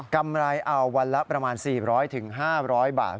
กำไรเอาวันละประมาณ๔๐๐๕๐๐บาท